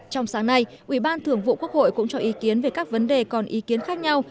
trong sáng nay ủy ban thường vụ quốc hội cũng cho ý kiến về các vấn đề còn ý kiến khác nhau